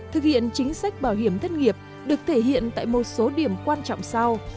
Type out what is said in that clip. thực hiện chính sách bảo hiểm thất nghiệp được thể hiện tại một số điểm quan trọng sau